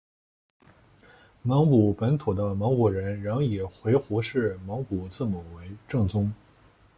蒙古本土的蒙古人仍以回鹘式蒙古字母为正宗。